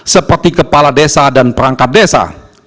seperti kepala desa dan kepala kota